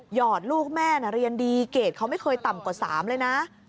อดลูกแม่เรียนดีเกรดเขาไม่เคยต่ำกว่า๓เลยนะ